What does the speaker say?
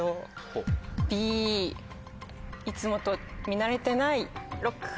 いつもと見慣れてない。